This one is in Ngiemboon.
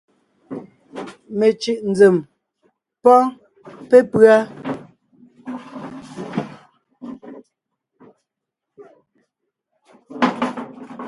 Mencʉ̀ʼ nzèm pɔ́ɔn pépʉ́a: